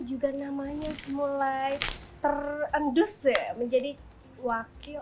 juga namanya mulai terendus menjadi wakil